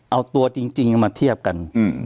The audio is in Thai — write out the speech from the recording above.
เอาตัวจริงมาเทียบกัน